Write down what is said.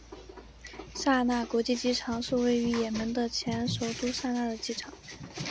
萨那国际机场是位于也门的前首都萨那的机场。